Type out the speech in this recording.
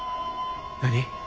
何？